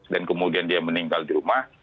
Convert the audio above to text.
dan kemudian dia meninggal di rumah